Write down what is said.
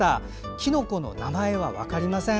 きのこの名前は分かりません。